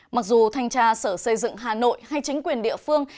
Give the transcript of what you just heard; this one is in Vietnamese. mặc dù thanh tra sở xây dựng hà nội hay chính quyền địa phương